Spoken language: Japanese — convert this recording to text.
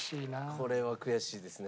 これは悔しいですね。